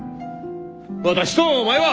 私とお前は！